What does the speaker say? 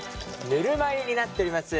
ぬるま湯になっております。